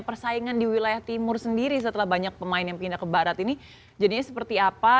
persaingan di wilayah timur sendiri setelah banyak pemain yang pindah ke barat ini jadinya seperti apa